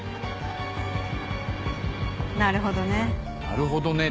なるほどね。